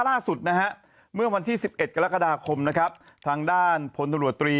ล่าสุดนะฮะเมื่อวันที่๑๑กรกฎาคมนะครับทางด้านพลตรวจตรี